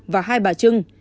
và hai bà trưng